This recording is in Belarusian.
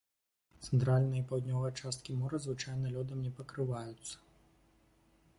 Цэнтральная і паўднёвая часткі мора звычайна лёдам не пакрываюцца.